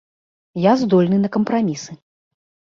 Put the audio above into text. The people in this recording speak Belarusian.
Я здольны на кампрамісы.